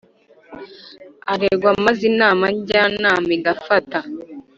aregwa maze Inama Njyanama igafata